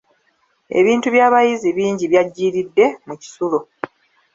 Ebintu by'abayizi bingi byajjiiridde mu kisulo.